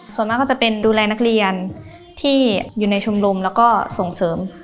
ส่วนมากก็จะเป็นดูแลนักเรียนที่อยู่ในชมรมแล้วก็ส่งเสริม